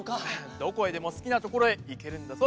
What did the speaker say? どこへでもすきなところへいけるんだぞ